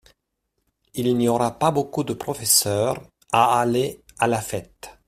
Il n'y aura pas beaucoup de professeurs à aller à la fête.